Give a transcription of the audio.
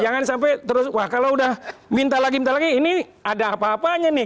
jangan sampai terus wah kalau udah minta lagi minta lagi ini ada apa apanya nih